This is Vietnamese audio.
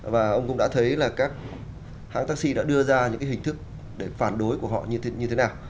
và ông cũng đã thấy là các hãng taxi đã đưa ra những hình thức để phản đối của họ như thế nào